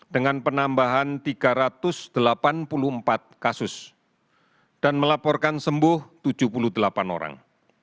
dengan penambahan tiga ratus delapan puluh empat kasus dan melaporkan sembuh tujuh puluh delapan orang